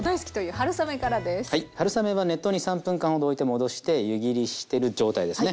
春雨は熱湯に３分間ほどおいて戻して湯ぎりしてる状態ですね。